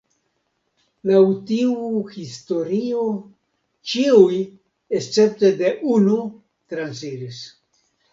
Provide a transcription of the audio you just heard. Laŭ tiu historio ĉiuj escepte de unu transiris.